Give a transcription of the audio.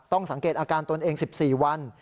สังเกตอาการตนเอง๑๔วัน